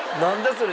それ。